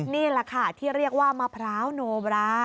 นี่แหละค่ะที่เรียกว่ามะพร้าวโนบรา